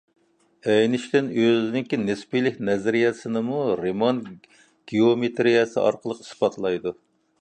ئېينىشتېين ئۆزىنىڭ نىسپىيلىك نەزەرىيەسىنىمۇ رىمان گېئومېتىرىيەسى ئارقىلىق ئىسپاتلايدۇ.